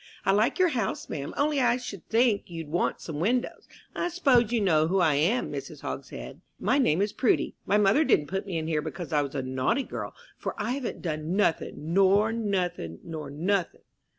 I like your house, ma'am, only I should think you'd want some windows. I s'pose you know who I am, Mrs. Hogshead? My name is Prudy. My mother didn't put me in here because I was a naughty girl, for I haven't done nothing nor nothing nor nothing.